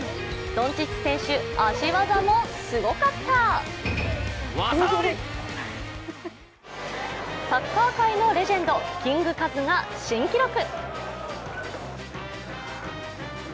ドンチッチ選手、足技もすごかったサッカー界のレジェンド、キングカズが新記録。